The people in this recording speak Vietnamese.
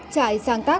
trại sáng tác